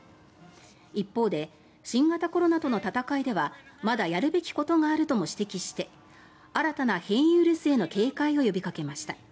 一方で新型コロナとの闘いではまだやるべきことがあるとも指摘して新たな変異ウイルスへの警戒を呼びかけました。